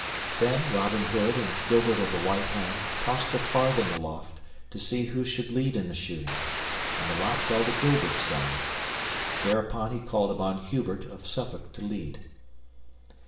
Then Robin Hood and Gilbert of the White Hand tossed a farthing aloft to see who should lead in the shooting, and the lot fell to Gilbert's side; thereupon he called upon Hubert of Suffolk to lead.